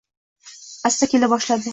Asta kela boshladi.